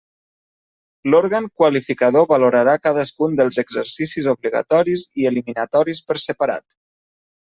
L'òrgan qualificador valorarà cadascun dels exercicis obligatoris i eliminatoris per separat.